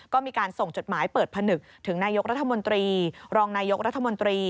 ก็มีการส่งจดหมายเปิดผนึกถึงนายกรัฐมนตรีรองนายกรัฐมนตรี